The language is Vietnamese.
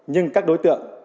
nhưng các đối tượng